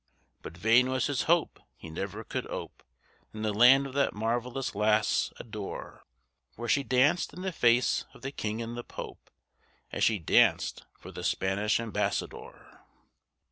But vain was his hope! He never could ope, In the land of that marvellous lass, a door; For she danced in the face of the King and the Pope, As she danced for the Spanish ambassador.